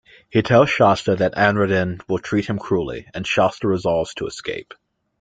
He tells Shasta that Anradin will treat him cruelly, and Shasta resolves to escape.